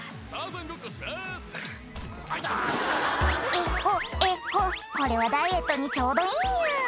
「えっほえっほこれはダイエットにちょうどいいニャ」